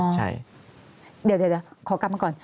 ใช่เดี๋ยวขอกลับมาก่อน